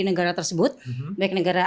negara tersebut baik negara